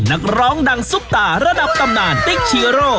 นักร้องดังซุปตาระดับตำนานติ๊กชีโร่